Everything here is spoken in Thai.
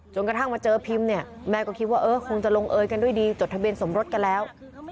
กระทั่งมาเจอพิมพ์เนี่ยแม่ก็คิดว่าเออคงจะลงเอยกันด้วยดีจดทะเบียนสมรสกันแล้ว